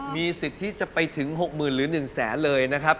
มีสิทธิ์ที่จะไปถึง๖๐๐๐หรือ๑แสนเลยนะครับ